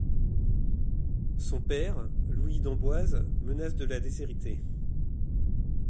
Son père, Louis d'Amboise menace de la déshériter.